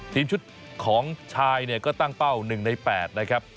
ทีมชุดของชายเนี่ยก็ตั้งเป้า๑ใน๘นะครับ